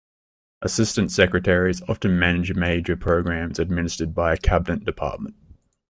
Assistant Secretaries often manage major programs administered by a Cabinet Department.